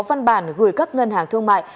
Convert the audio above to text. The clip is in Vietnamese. phân bản gửi cấp ngân hàng thương mại